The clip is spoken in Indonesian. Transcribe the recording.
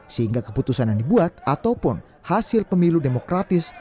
sehingga keputusan yang dibuat ataupun hasil pemilu demokratis